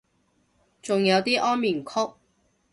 仲有啲安眠曲